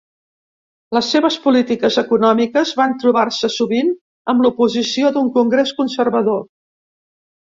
Les seves polítiques econòmiques van trobar-se sovint amb l'oposició d'un Congrés conservador.